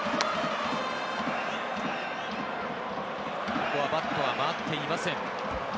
ここはバットは回っていません。